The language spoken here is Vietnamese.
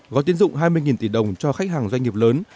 gói tiến dụng hai mươi tỷ đồng cho khách hàng doanh nghiệp lớn